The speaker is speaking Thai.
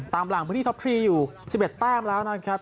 ตามหลังพื้นที่ท็อปทรีย์อยู่๑๑แต้มแล้วนะครับ